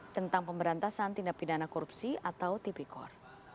tentang pemberantasan tindak pidana korupsi atau tipikor